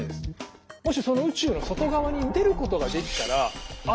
もしその宇宙の外側に出ることができたらあ